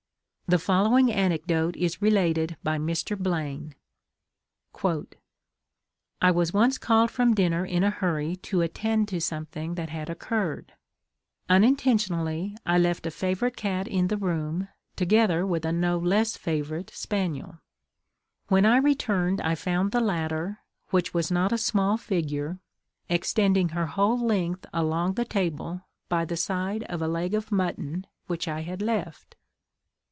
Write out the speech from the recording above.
The following anecdote is related by Mr. Blaine: "I was once called from dinner in a hurry to attend to something that had occurred; unintentionally I left a favourite cat in the room, together with a no less favourite spaniel. When I returned I found the latter, which was not a small figure, extending her whole length along the table by the side of a leg of mutton which I had left.